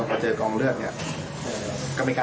ผมก็เลยบอกให้น้องใหญ่คนเข้ามาหา